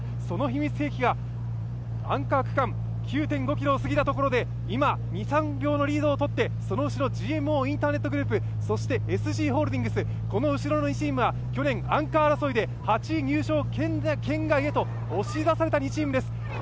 その秘密兵器がアンカー区間、９．５ｋｍをすぎたところで今、２３秒のリードをとって、その後ろがＧＭＯインターネットグループＳＧホールディングス、この後ろの２チームは、去年、アンカー争いで８位入賞圏外へと押し出された２チームです。